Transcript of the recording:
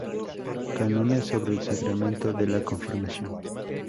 Cánones sobre el sacramento de la confirmación.